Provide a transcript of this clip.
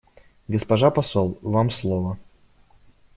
Госпожа посол, вам слово.